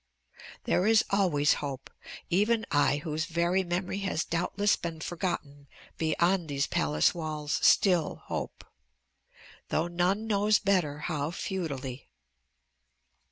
There is always hope; even I whose very memory has doubtless been forgotten beyond these palace walls still hope, though none knows better how futilely."